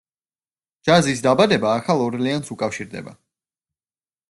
ჯაზის დაბადება ახალ ორლეანს უკავშირდება.